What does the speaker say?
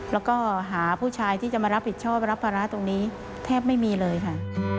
แล้วก็หาผู้ชายที่จะมารับผิดชอบรับภาระตรงนี้แทบไม่มีเลยค่ะ